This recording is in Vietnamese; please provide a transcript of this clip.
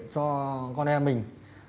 cho con em mình